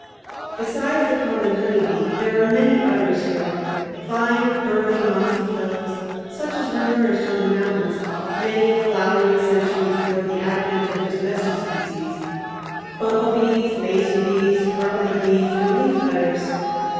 Besides the common honeybee there are many others here, fine, burly, mossy fellows, such as were nourished on the mountains many a flowery century before the advent of the domestic species—bumblebees, mason bees, carpenter bees, and leaf cutters.